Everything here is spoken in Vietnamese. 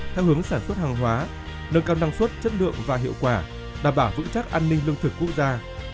theo hướng sản xuất hàng hóa nâng cao năng suất chất lượng và hiệu quả đảm bảo vững chắc an ninh lương thực quốc gia